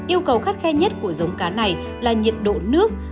yêu cầu khắt khe nhất của giống cá này là nhiệt độ nước